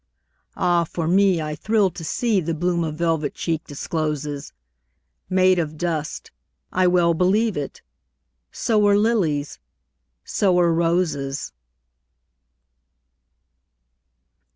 Ah, for me, I thrill to seeThe bloom a velvet cheek discloses, Made of dust—I well believe it! So are lilies, so are roses!